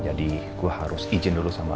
jadi gue harus izin dulu sama lo